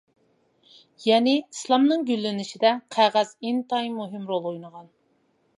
يەنى، ئىسلامنىڭ گۈللىنىشىدە قەغەز ئىنتايىن مۇھىم رول ئوينىغان.